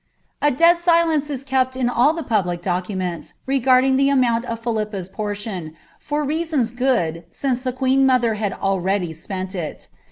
A dead Filencc is kept in all tlie public documeuta regarding ibi unount nf Philippe's portion, fof ressona good, since the queen fOAlher had already spent it.